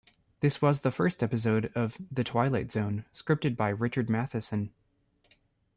This was the first episode of "The Twilight Zone" scripted by Richard Matheson.